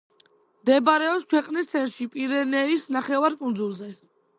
მდებარეობს ქვეყნის ცენტრში, პირენეის ნახევარკუნძულზე.